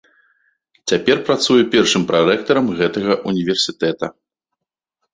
Цяпер працуе першым прарэктарам гэтага ўніверсітэта.